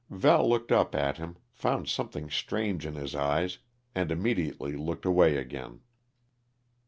Val looked up at him, found something strange in his eyes, and immediately looked away again.